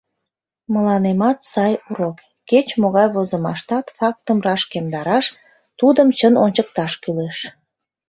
Мыланемат сай урок: кеч-могай возымаштат фактым рашкемдараш, тудым чын ончыкташ кӱлеш.